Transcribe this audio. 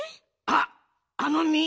あっあのみ。